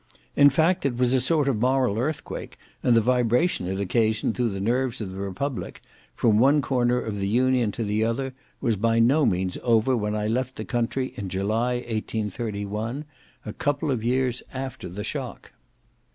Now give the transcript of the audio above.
In fact, it was a sort of moral earthquake, and the vibration it occasioned through the nerves of the Republic, from one corner of the Union to the other, was by no means over when I left the country in July, 1831, a couple of years after the shock.